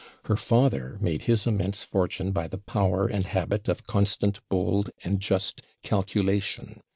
Her father made his immense fortune by the power and habit of constant, bold, and just calculation.